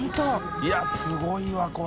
いすごいわこれ。